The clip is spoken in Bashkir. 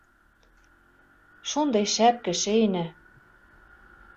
Шундай шәп кеше ине!